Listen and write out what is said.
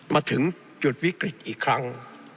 มาถึงจุดวิกฤตอีกครั้ง